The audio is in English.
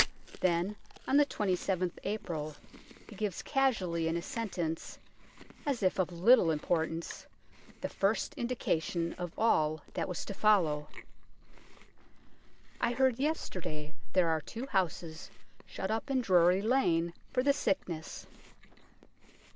Then on the 27th April he gives casually in a sentence, as if of little importance, the first indication of all that was to follow :" I heard yesterday there are 2 houses shut up in Drury Lane for the sickness."